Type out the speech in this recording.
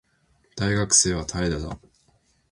大学生は怠惰だ